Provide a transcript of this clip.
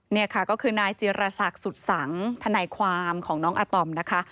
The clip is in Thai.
นี่ค่ะก็คือนายจิรษักสุดสังธนายความของน้องอาตอมนะคะ